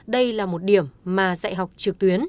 đây là một điểm mà dạy học trực tuyến